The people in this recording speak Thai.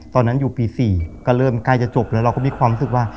ตอนนั้นอยู่ปี๔ก็เริ่มใกล้จะจบแล้วเราก็มีความรู้สึกว่า